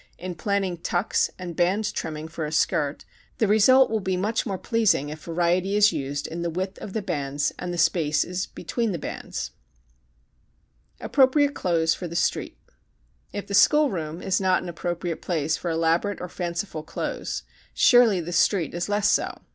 In planning tucks and band trimming for a skirt the result will be much more pleasing if variety is used in the width of the bands and the spaces between the bands. [Illustration: PLAID AND FIGURED MATERIAL FOR SLENDER FIGURES] Appropriate Clothes for the Street If the school room is not an appropriate place for elaborate or fanciful clothes, surely the street is less so.